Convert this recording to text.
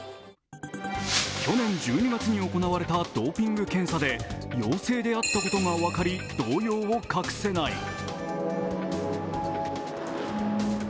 去年１２月に行われたドーピング検査で陽性であったことが分かり、動揺を隠せない。